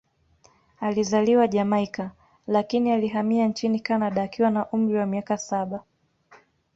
Alizaliwa Jamaika, lakini alihamia nchini Kanada akiwa na umri wa miaka saba.